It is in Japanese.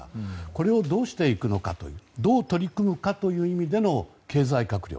これをどうしていくのかどう取り組むかという意味での経済閣僚。